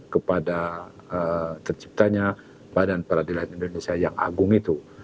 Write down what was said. kepada terciptanya badan peradilan indonesia yang agung itu